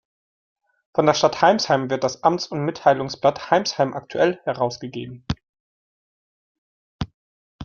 Von der Stadt Heimsheim wird das Amts- und Mitteilungsblatt „Heimsheim Aktuell“ herausgegeben.